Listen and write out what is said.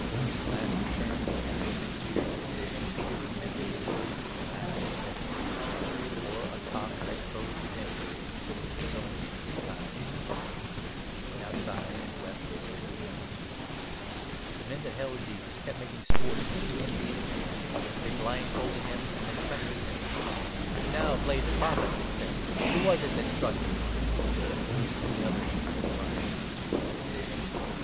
And the 61 Master turned and looked at Peter ; and Peter remembered the words that the Master had said to him —" Before a cock has crowed to day, you will disown me three times" ; and he went 63 outside and wept bitterly. The men that held Jesus kept making sport of him and 63 beating him. They blindfolded him and then questioned 64 him. "Now play the Prophet," they said; "who was it that struck you ?" And they heaped many other insults on him.